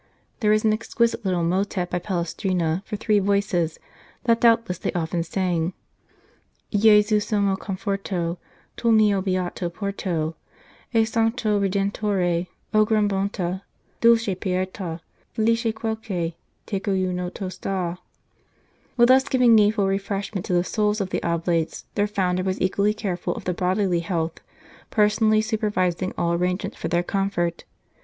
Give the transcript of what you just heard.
There is an exquisite little motet by Palestrina for three voices that doubtless they often sang :" Gesu, sommo conforto, Tu l mio beato porto E santo Redentore ; O gran bonta ! Dolce pieta ! Felice quel che teco unito sta !" While thus giving needful refreshment to the souls of the Oblates, their founder was equally careful of their bodily health, personally super vising all arrangements for their comfort.